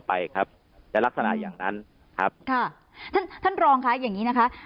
ไปครับจะลักษณะอย่างนั้นครับค่ะท่านท่านรองค่ะอย่างงี้นะคะ